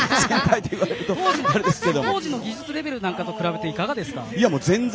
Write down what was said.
当時の技術レベルと比べていかがですか。